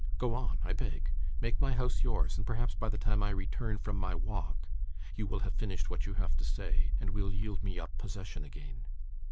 Go on, I beg; make my house yours, and perhaps by the time I return from my walk, you will have finished what you have to say, and will yield me up possession again.